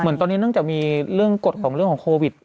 ตอนนี้เนื่องจากมีเรื่องกฎของเรื่องของโควิด